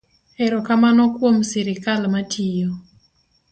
Erokamano kuom sirikal matiyo.